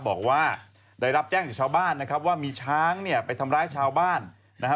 บอกว่าได้รับแจ้งจากชาวบ้านนะครับว่ามีช้างเนี่ยไปทำร้ายชาวบ้านนะฮะ